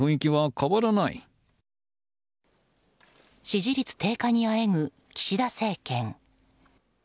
支持率低下にあえぐ岸田政権。